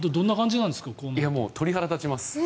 鳥肌立ちます。